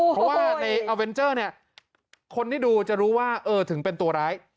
เพราะว่าในอัลเวนเจอร์เนี่ยคนที่ดูจะรู้ว่าเออถึงเป็นตัวร้าย